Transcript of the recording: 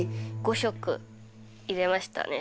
５色入れましたね